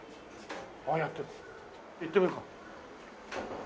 ああやってる行ってみようか。